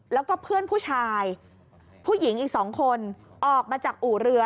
แล้วก็เพื่อนผู้ชายผู้หญิงอีก๒คนออกมาจากอู่เรือ